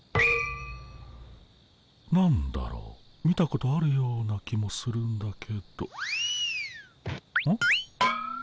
何だろう見たことあるような気もするんだけど。